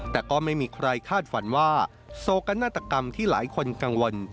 แต่ก็ไม่มีใครคาดฝันว่าโศกนาฏกรรมที่หลายคนกังวล